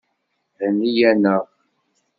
Henni-aneɣ!